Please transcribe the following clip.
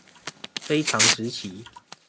非常時期